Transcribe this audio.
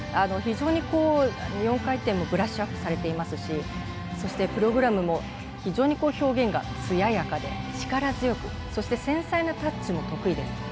非常に４回転もブラッシュアップされていますしそして、プログラムも非常に表現がつややかで力強く、そして繊細なタッチも得意です。